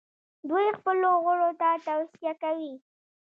دوی خپلو غړو ته توصیه کوي.